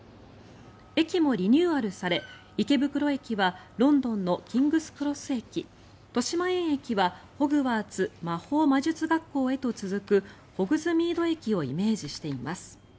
駅もリニューアルされ、池袋駅はロンドンのキングスクロス駅豊島園駅はホグワーツ魔法魔術学校へと続くホグズミード駅をイメージしています。